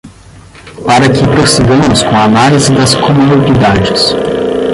Para que prossigamos com a análise das comorbidades